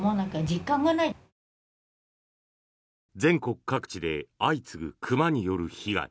全国各地で相次ぐ熊による被害。